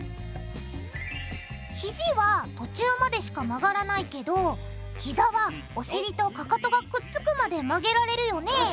ひじは途中までしか曲がらないけどひざはお尻とかかとがくっつくまで曲げられるよね